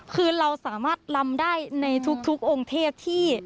คือเราสามารถลำได้ในทุกองค์เทพที่